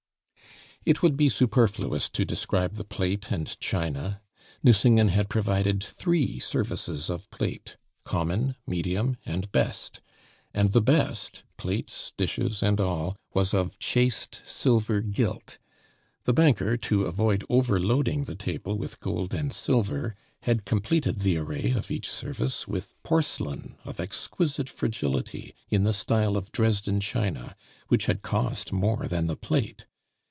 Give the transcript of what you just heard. It would be superfluous to describe the plate and china. Nucingen had provided three services of plate common, medium, and best; and the best plates, dishes, and all, was of chased silver gilt. The banker, to avoid overloading the table with gold and silver, had completed the array of each service with porcelain of exquisite fragility in the style of Dresden china, which had cost more than the plate.